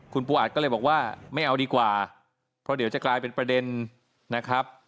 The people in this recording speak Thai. คุณปูอัดก็เลยบอกว่าไม่เอาดีกว่าเพราะเดี๋ยวจะกลายเป็นประเด็นนะครับ